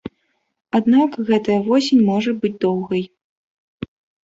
Аднак гэтая восень можа быць доўгай.